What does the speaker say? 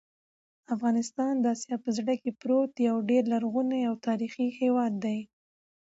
افغانستان د اسیا په زړه کې پروت یو ډېر لرغونی او تاریخي هېواد دی.